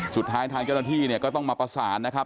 สุดท้ายทางเจ้าหน้าที่ก็ต้องมาประสานนะครับ